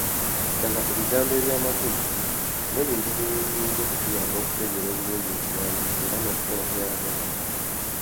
Saza ku bigambo eby’amakulu, n’ebintu ebirala ebiyinza okukuyamba okutegeera obulungi ekiwandiiko era n’okufuna ky’oyagala.